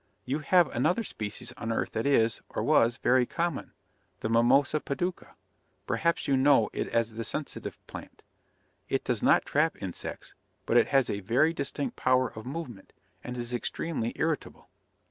You have another species on Earth that is, or was, very common: the Mimosa Pudica. Perhaps you know it as the sensitive plant. It does not trap insects, but it has a very distinct power of movement, and is extremely irritable.